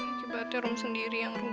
akibatnya rom sendiri yang